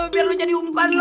biar lo jadi umpan lagi